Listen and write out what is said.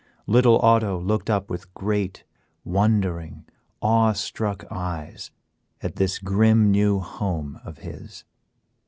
Little Otto looked up with great, wondering, awe struck eyes at this grim new home of his.